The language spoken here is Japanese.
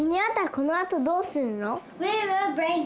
このあとどうするの？